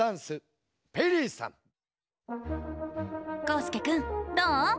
こうすけくんどう？